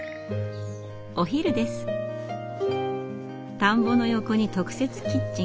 田んぼの横に特設キッチン。